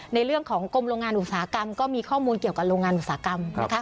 ในเรื่องของกรมโรงงานอุตสาหกรรมก็มีข้อมูลเกี่ยวกับโรงงานอุตสาหกรรม